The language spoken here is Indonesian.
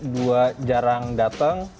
dua jarang datang